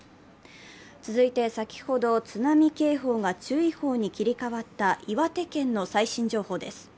続いて、先ほど津波警報が注意報に切り替わった岩手県の最新情報です。